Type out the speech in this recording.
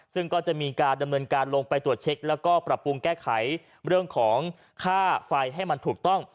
ซึ่งก็จะมีการดำเนินการลงไปตรวจเช็คแล้วก็ปรับปรุงแก้ไขเรื่องของค่าไฟให้มันถูกต้อง